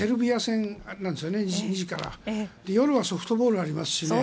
夜はソフトボールがありますし